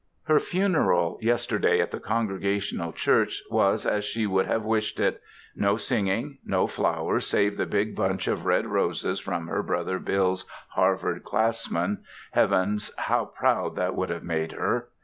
Her funeral yesterday at the Congregational Church was as she would have wished it; no singing, no flowers save the big bunch of red roses from her Brother Bill's Harvard classmen Heavens, how proud that would have made her!